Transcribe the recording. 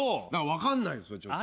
だから分かんないですわ。